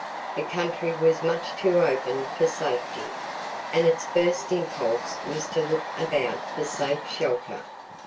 The country was much too open for safety, and its first impulse was to look about for safe shelter.